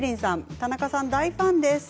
田中さん、大ファンです。